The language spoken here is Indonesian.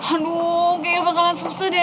aduh kayaknya bakalan susah deh